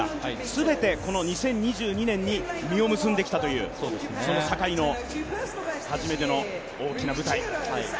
全てこの２０２２年に実を結んできたという坂井の初めての大きな舞台。